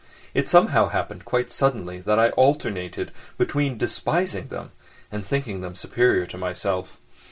It somehow happened quite suddenly that I alternated between despising them and thinking them superior to myself.